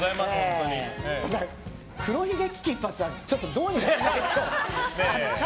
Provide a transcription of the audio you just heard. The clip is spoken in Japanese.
ただ、黒ひげ危機一発はちょっとどうにかしないと。